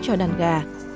cho đàn gà